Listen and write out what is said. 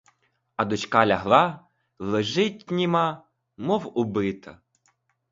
А дочка лягла; лежить — німа, мов убита.